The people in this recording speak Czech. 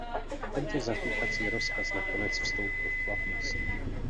Tento zatýkací rozkaz nakonec vstoupil v platnost.